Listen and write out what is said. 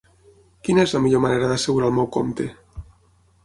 Quina és la millor manera d'assegurar el meu compte?